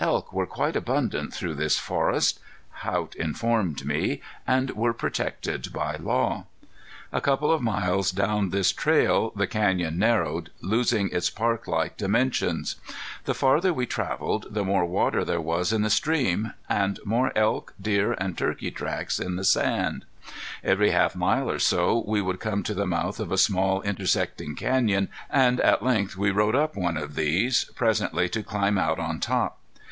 Elk were quite abundant through this forest, Haught informed me, and were protected by law. A couple of miles down this trail the canyon narrowed, losing its park like dimensions. The farther we traveled the more water there was in the stream, and more elk, deer, and turkey tracks in the sand. Every half mile or so we would come to the mouth of a small intersecting canyon, and at length we rode up one of these, presently to climb out on top.